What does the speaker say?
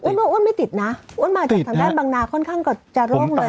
โอ๊ดโอ๊ดไม่ติดนะโอ๊ดมาจากฐังแดนบางนาค่อนข้างกว่าจาโล่งเลย